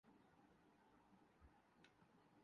حارث بن شریح کی بغاوت